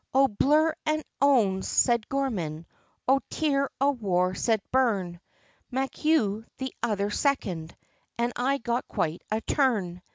"O, blur an owns!" said Gorman, "O tear o'war," said Byrne, MacHugh, the other second, and I got quite a turn!